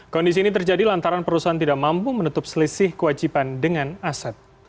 kondisi ini terjadi lantaran perusahaan tidak mampu menutup selisih kewajiban dengan aset